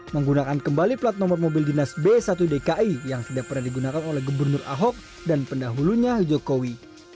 menggunakan kembali plat nomor mobil dinas b satu dki yang tidak pernah digunakan oleh gubernur ahok dan pendahulunya jokowi